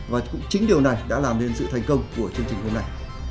và cũng chính điều này đã làm nên sự thành công của chương trình hôm nay